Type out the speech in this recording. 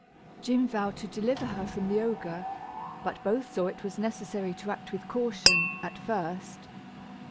Jim vowed to deliver her from the ogre; but both saw it was necessary to act with caution, at first.